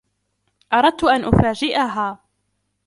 أردت أن أفاجئها.